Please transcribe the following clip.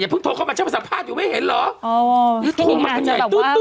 อย่าเพิ่งโทรเข้ามาฉันมาสัมภาษณ์อยู่ไม่เห็นเหรออ๋อพี่นิงอาจจะแบบว่า